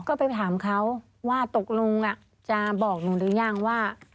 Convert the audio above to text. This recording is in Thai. ก็ไปถามเขาว่าตกลงจะบอกหนูหรือยังว่า